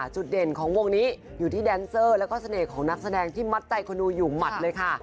จุดเด่นของวงนี้อยู่ที่แดนเซอร์แล้วก็เสน่ห์ของนักแสดงที่มัดใจคนดูอยู่หมัดเลยค่ะ